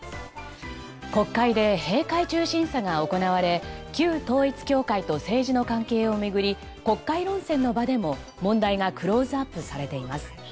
国会で閉会中審査が行われ旧統一教会と政治の関係を巡り国会論戦の場でも問題がクローズアップされています。